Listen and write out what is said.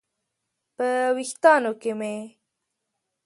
په ویښتانو کې مې